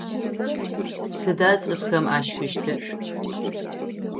Сыда цӏыфхэм ашхыщтыр?